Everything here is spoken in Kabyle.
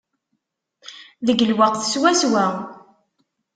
Deg lweqt swaswa!